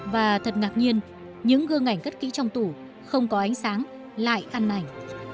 và thật ngạc nhiên những gương ảnh cất kỹ trong tủ không có ánh sáng lại ăn ảnh